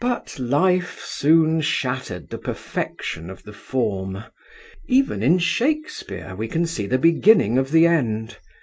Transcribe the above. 'But Life soon shattered the perfection of the form. Even in Shakespeare we can see the beginning of the end.